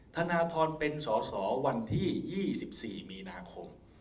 ธนทรเป็นสอสอวันที่๒๔มีนาคม